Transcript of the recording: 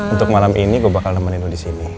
untuk malam ini gue bakal nemenin lo disini